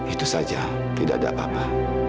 itu saja tidak ada apa apa